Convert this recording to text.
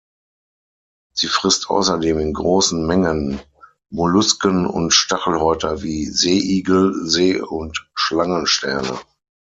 Sie frisst außerdem in großen Mengen Mollusken und Stachelhäuter wie Seeigel, See- und Schlangensterne.